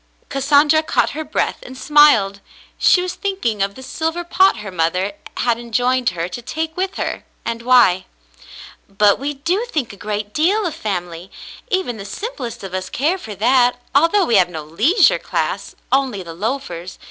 Cassandra caught her breath and smiled. She was thinking of the silver pot her mother had enjoined her to take with her, and why. "But we do think a great deal of family ; even the simplest of us care for that, al though we have no leisure class — only the loafers.